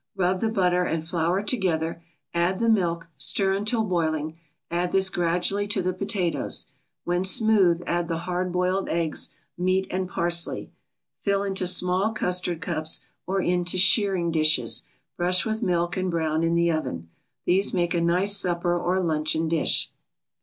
Rub the butter and flour together, add the milk, stir until boiling; add this gradually to the potatoes. When smooth add the hard boiled eggs, meat and parsley. Fill into small custard cups or into shirring dishes, brush with milk and brown in the oven. These make a nice supper or luncheon dish.